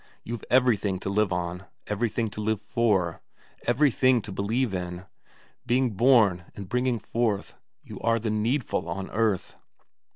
You've everything to live on, everything to live for, everything to believe in; being born and bringing forth, you are the needful on earth.